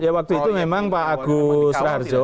ya waktu itu memang pak agus raharjo